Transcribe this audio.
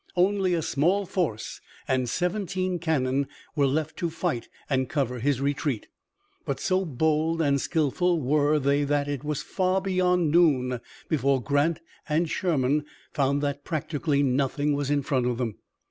Only a small force and seventeen cannon were left to fight and cover his retreat. But so bold and skillful were they that it was far beyond noon before Grant and Sherman found that practically nothing was in front of them.